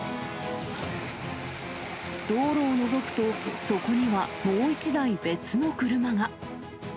道路をのぞくと、そこにはもう１台、別の車が。